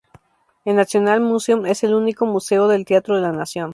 El National Museum es el único museo del teatro de la nación.